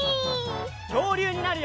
きょうりゅうになるよ！